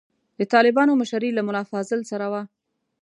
د طالبانو مشري له ملا فاضل سره وه.